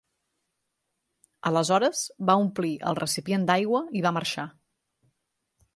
Aleshores, va omplir el recipient d'aigua i va marxar.